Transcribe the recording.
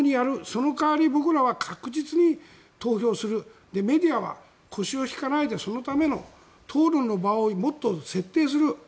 その代わり僕らは確実に投票するメディアは腰を引かないでそのための討論の場をもっと設定する。